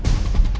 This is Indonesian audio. siapa lagi ya